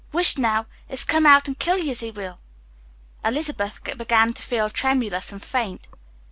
"Whisht now it's come out an' kill yez he will." Elizabeth began to feel tremulous and faint.